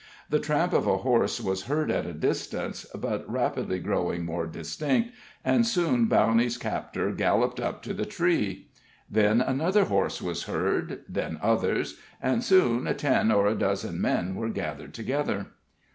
The tramp of a horse was heard at a distance, but rapidly growing more distinct, and soon Bowney's captor galloped up to the tree. Then another horse was heard, then others, and soon ten or a dozen men were gathered together.